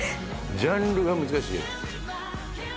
ジャンルが難しい。